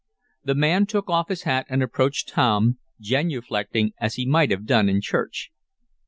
The man took off his hat and approached Tom, genuflecting as he might have done in church.